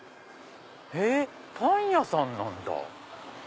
えっパン屋さんなんだ。